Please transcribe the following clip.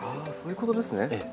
あそういうことですね。